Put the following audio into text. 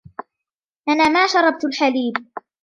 أنا ما شربت الحليب.